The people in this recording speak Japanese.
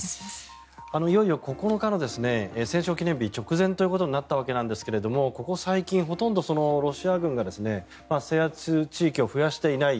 いよいよ９日の戦勝記念日直前となったわけですがここ最近、ほとんどロシア軍が制圧地域を増やしていない。